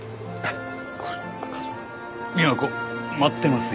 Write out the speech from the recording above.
美和子待ってますよ。